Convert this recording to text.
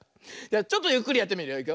じゃちょっとゆっくりやってみるよ。